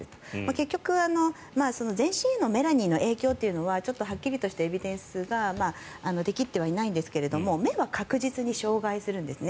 結局、全身へのメラニンの影響というのはちょっとはっきりとしたエビデンスが出切ってはいないんですが目は確実に障害するんですね。